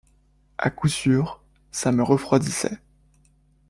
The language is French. À coup sûr, ça me refroidissait.